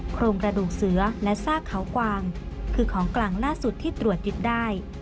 โครงกระดูกเสือและซากเขากวางคือของกลางล่าสุดที่ตรวจยึดได้